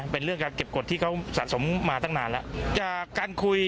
เป็นเรื่องการเก็บกฎที่เขาสะสมมาตั้งนานแล้ว